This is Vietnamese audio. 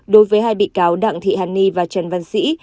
đối với hai bị cáo đặng thị hằng nhi và trần văn sĩ